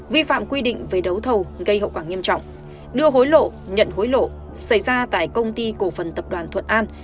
vi phạm quy định về đấu thầu gây hậu quả nghiêm trọng đưa hối lộ nhận hối lộ xảy ra tại công ty cổ phần tập đoàn thuận an